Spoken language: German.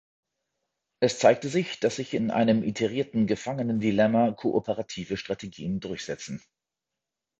Es zeigte sich, dass sich in einem iterierten Gefangenendilemma kooperative Strategien durchsetzen.